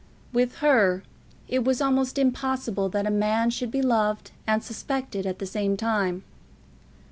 With her it was almost impossible that a man should be loved and suspected at the same time.